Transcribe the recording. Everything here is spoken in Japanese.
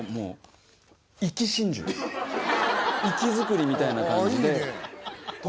活き作りみたいな感じで。